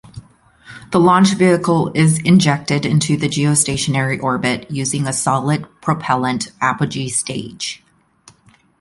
The launch vehicle is injected into the geostationary orbit using a solid-propellant apogee stage.